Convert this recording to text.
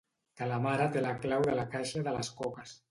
...que la mare té la clau de la caixa de les coques.